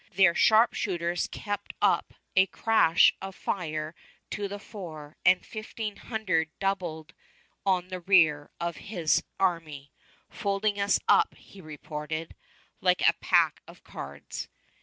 Their sharpshooters kept up a crash of fire to the fore, and fifteen hundred doubled on the rear of his army, "folding us up," he reported, "like a pack of cards."